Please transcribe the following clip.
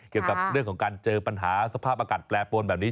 เกี่ยวกับเรื่องของการเจอปัญหาสภาพอากาศแปรปวนแบบนี้